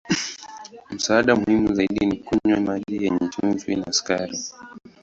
Msaada muhimu zaidi ni kunywa maji yenye chumvi na sukari.